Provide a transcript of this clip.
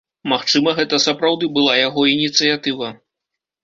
Магчыма, гэта сапраўды была яго ініцыятыва.